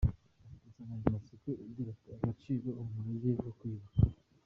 Ifite insanganyamatsiko igira iti “Agaciro: Umurage wo kwiyubaha’.